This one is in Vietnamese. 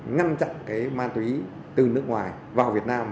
ngăn chặn cái ma túy từ nước ngoài vào việt nam